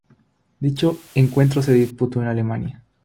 Dicho encuentro se disputó en Alemania.